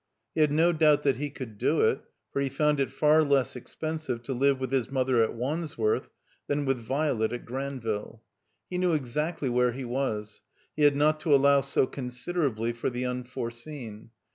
He had no doubt that he could do it, for he found it far less expensive to live with his mother at Wands worth than with Violet at Granville. He knew exactly where he was, he had not to allow so con siderably for the unforeseen.